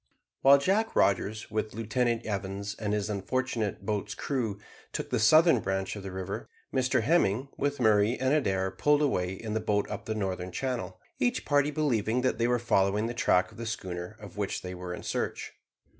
While Jack Rogers, with Lieutenant Evans and his unfortunate boat's crew, took the southern branch of the river, Mr Hemming, with Murray and Adair, pulled away in the boat up the northern channel, each party believing that they were following the track of the schooner of which they were in search.